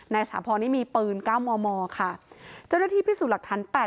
สาพรนี่มีปืนเก้ามอมอค่ะเจ้าหน้าที่พิสูจน์หลักฐานแปด